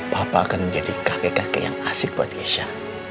papa akan menjadi kakek kakek yang asik buat kesha